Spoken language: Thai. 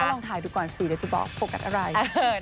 ลองถ่ายดูก่อนสิเดี๋ยวจะบอกโฟกัสอะไร